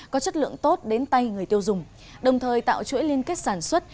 có chất lượng tốt đến tay người tiêu dùng đồng thời tạo chuỗi liên kết sản xuất